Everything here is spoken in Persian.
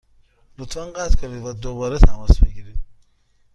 لطفا قطع کنید و دوباره تماس بگیرید.